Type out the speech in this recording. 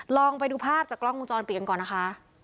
ลองไปดูภาพจากกล้องวงจรปิดกันก่อนนะคะ